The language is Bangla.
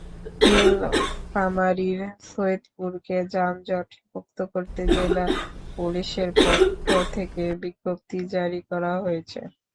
নীলফামারীর সৈয়দপুরকে যানজটমুক্ত করতে জেলা পুলিশের পক্ষ থেকে বিজ্ঞপ্তি জারি করা হয়েছে।